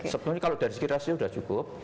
sebenarnya kalau dari segi rasio sudah cukup